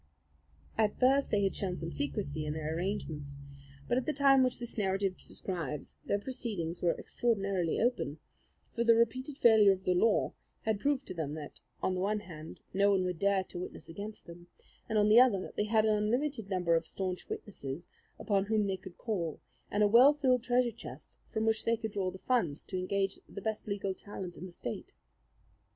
At first they had shown some secrecy in their arrangements; but at the time which this narrative describes their proceedings were extraordinarily open, for the repeated failure of the law had proved to them that, on the one hand, no one would dare to witness against them, and on the other they had an unlimited number of stanch witnesses upon whom they could call, and a well filled treasure chest from which they could draw the funds to engage the best legal talent in the state.